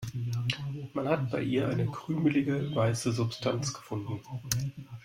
Man hat bei ihr eine krümelige, weiße Substanz gefunden.